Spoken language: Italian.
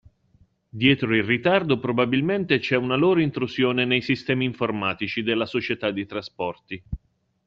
Dietro il ritardo probabilmente c'è una loro intrusione nei sistemi informatici della società dei trasporti.